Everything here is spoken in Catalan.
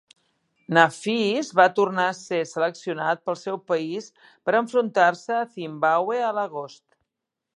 Nafees va tornar a ser seleccionat pel seu país per enfrontar-se a Zimbàbue a l'agost.